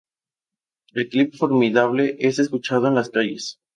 El clip Formidable es escuchado en las calles.